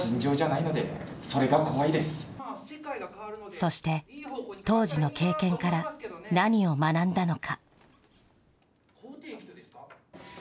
そして、当時の経験から何を学んだのか。